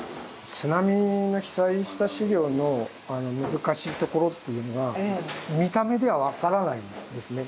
津波で被災した資料の難しいところっていうのは見た目では分からないんですね。